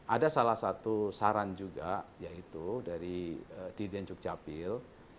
ada salah satu saran juga yaitu dari didian cukcapil